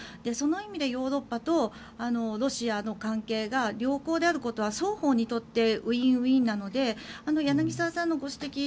その意味でヨーロッパとロシアの関係が良好であることは双方にとってウィンウィンなので柳澤さんのご指摘